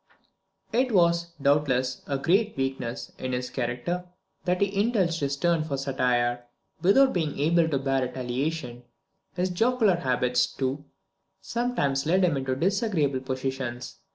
See the Life of Kepler. It was, doubtless, a greater weakness in his character that he indulged his turn for satire, without being able to bear retaliation. His jocular habits, too, sometimes led him into disagreeable positions.